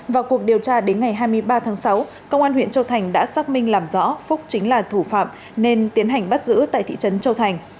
vào cuộc điều tra đến ngày hai mươi ba tháng sáu công an huyện châu thành đã xác minh làm rõ phúc chính là thủ phạm nên tiến hành bắt giữ tại thị trấn châu thành